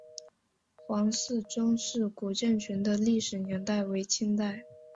黄氏宗祠古建群的历史年代为清代。